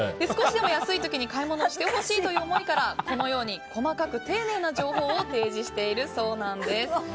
少しでも安い時に買い物をしてほしいという思いからこのように細かく丁寧な情報を提示しているそうなんです。